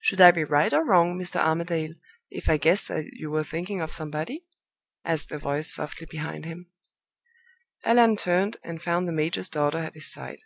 "Should I be right or wrong, Mr. Armadale, if I guessed that you were thinking of somebody?" asked a voice, softly, behind him. Allan turned, and found the major's daughter at his side.